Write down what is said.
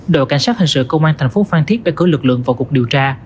đội cảnh sát hành sự công an tp phan thiết đã cử lực lượng vào cuộc điều tra